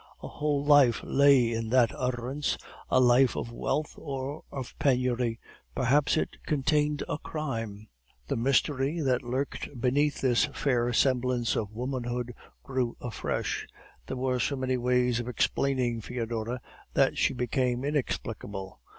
A whole life lay in that utterance, a life of wealth or of penury; perhaps it contained a crime! "The mystery that lurked beneath this fair semblance of womanhood grew afresh; there were so many ways of explaining Foedora, that she became inexplicable.